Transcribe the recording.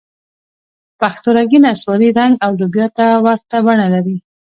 پښتورګي نسواري رنګ او لوبیا ته ورته بڼه لري.